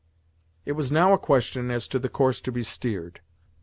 It was now a question as to the course to be steered.